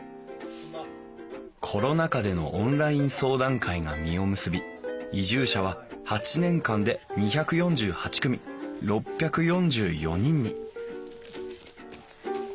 コロナ禍でのオンライン相談会が実を結び移住者は８年間で２４８組６４４人に！